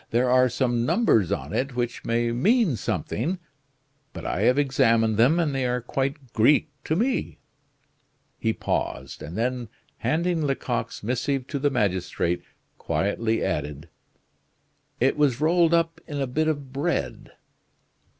There are some numbers on it which may mean something; but I have examined them, and they are quite Greek to me." He paused, and then handing Lecoq's missive to the magistrate, quietly added: "It was rolled up in a bit of bread."